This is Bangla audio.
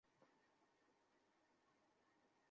আমি ওকে বাদ দিয়েছি।